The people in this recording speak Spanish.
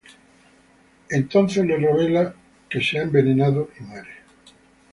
Ella entonces le revela que se ha envenenado y muere.